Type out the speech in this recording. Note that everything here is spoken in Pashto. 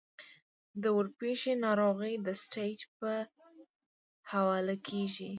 د ورپېښې ناروغۍ د سټېج پۀ حواله کيږي -